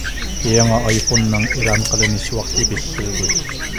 يېڭى ئايفوننىڭ ئېلان قىلىنىش ۋاقتى بېكىتىلدى.